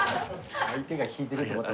相手が引いてるってことは。